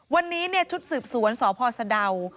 วันนี้ชุดสืบสวนสพสะดาว